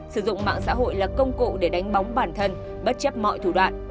sử dụng mạng xã hội là công cụ để đánh bóng bản thân bất chấp mọi thủ đoạn